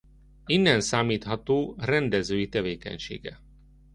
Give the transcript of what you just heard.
Innen számítható rendezői tevékenysége.